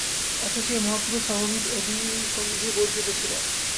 অথচ এই মহাপুরষ সর্ববিধ অভিসন্ধিবর্জিত ছিলেন।